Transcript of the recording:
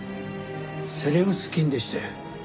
セレウス菌でして。